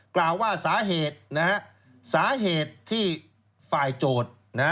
กล่าวว่าสาเหตุที่ฝ่ายโจทธ์